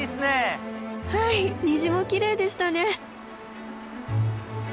はい虹もきれいでしたね。